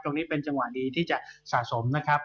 ตรงนี้เป็นจังหวะดีที่จะสะสมนะครับ